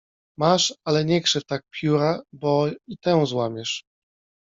— Masz, ale nie krzyw tak pióra, bo i tę złamiesz.